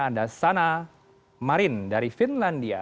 ada sana marin dari finlandia